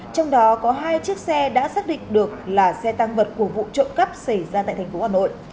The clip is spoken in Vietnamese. trong đó có hai chiếc xe đã xác định được là xe tăng vật của vụ trộm cắp xảy ra tại thành phố hà nội